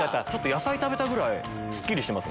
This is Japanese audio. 野菜食べたぐらいすっきりしてます。